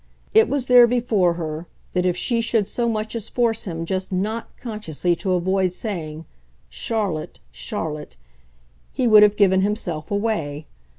It was there before her that if she should so much as force him just NOT consciously to avoid saying "Charlotte, Charlotte" he would have given himself away.